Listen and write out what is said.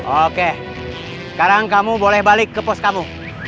oke sekarang kamu boleh balik ke pos kamu